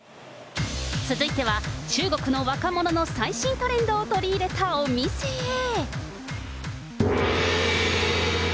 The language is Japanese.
続いては、中国の若者の最新トレンドを取り入れたお店へ。